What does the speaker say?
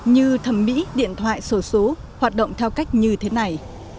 như thẩm mỹ điện thoại sổ số hoạt động theo cách như thế này